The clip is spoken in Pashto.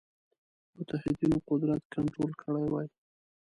متحدینو قدرت کنټرول کړی وای.